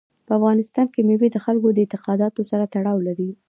په افغانستان کې مېوې د خلکو د اعتقاداتو سره تړاو لري.